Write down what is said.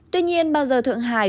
tuy nhiên bao giờ thượng hải